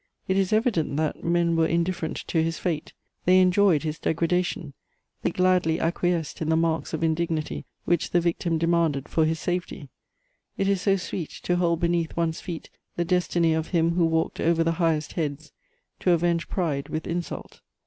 It is evident that men were indifferent to his fate; they enjoyed his degradation; they gladly acquiesced in the marks of indignity which the victim demanded for his safety: it is so sweet to hold beneath one's feet the destiny of him who walked over the highest heads, to avenge pride with insult!